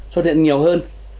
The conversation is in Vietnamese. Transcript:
xuất hiện nhiều hơn